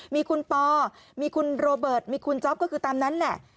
มีคุณปอมีคุณโรเบิร์ตมีคุณจ๊อปก็คือตามนั้นแหละ